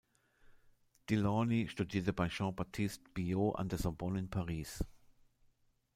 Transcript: Delaunay studierte bei Jean-Baptiste Biot an der Sorbonne in Paris.